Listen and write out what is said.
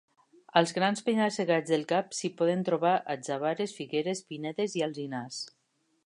Als grans penya-segats del cap s'hi poden trobar atzavares, figueres, pinedes i alzinars.